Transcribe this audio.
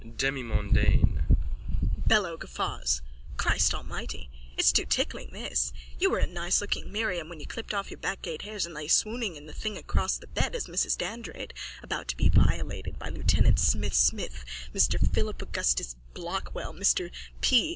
Demimondaine. BELLO: (Guffaws.) Christ Almighty it's too tickling, this! You were a nicelooking Miriam when you clipped off your backgate hairs and lay swooning in the thing across the bed as Mrs Dandrade about to be violated by lieutenant Smythe Smythe, Mr Philip Augustus Blockwell M. P.